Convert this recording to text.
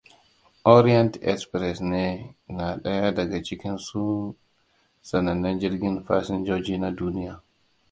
Orient-Express ne na daya daga cikin sanannen jirgin fasinjoji na duniya.